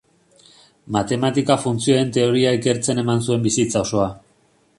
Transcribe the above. Matematika-funtzioen teoria ikertzen eman zuen bizitza osoa.